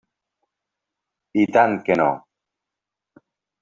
I tant que no!